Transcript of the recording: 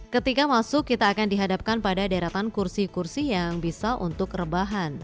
ketika masuk kita akan dihadapkan pada deratan kursi kursi yang bisa untuk menjaga kebersihan